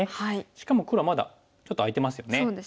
しかも黒はまだちょっと空いてますよね。